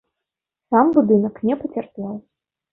Сам будынак не пацярпеў.